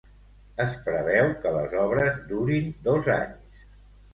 Es preveu que les obres durin dos anys.